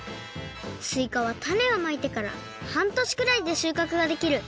すいかはたねをまいてからはんとしくらいでしゅうかくができる。